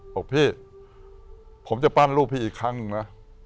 บอกพี่ผมจะปั้นรูปพี่อีกครั้งหนึ่งนะ